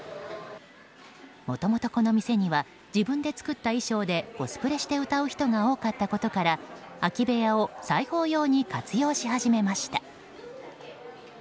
もともと、この店には自分で作った衣装でコスプレして歌う人が多かったことから空き部屋を裁縫用に活用し始めました。